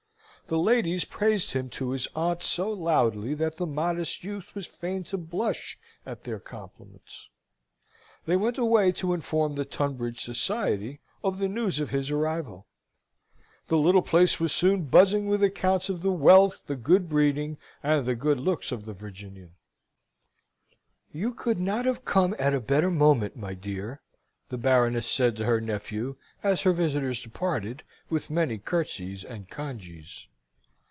The ladies praised him to his aunt so loudly that the modest youth was fain to blush at their compliments. They went away to inform the Tunbridge society of the news of his arrival. The little place was soon buzzing with accounts of the wealth, the good breeding, and the good looks of the Virginian. "You could not have come at a better moment, my dear," the Baroness said to her nephew, as her visitors departed with many curtseys and congees.